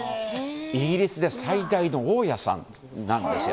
イギリスで最大の大家さんなんですよ。